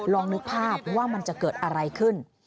ลองนึกภาพว่ามันจะเกิดอะไรขึ้น